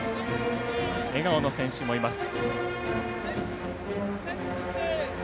笑顔の選手もいます。